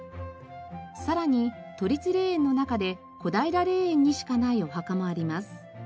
さらに都立霊園の中で小平霊園にしかないお墓もあります。